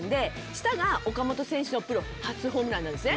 下が岡本選手のプロ初ホームランなんですね。